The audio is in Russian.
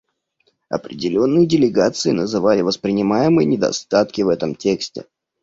Определенные делегации называли воспринимаемые недостатки в этом тексте.